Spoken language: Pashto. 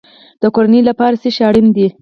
د کورنۍ لپاره څه شی اړین دی؟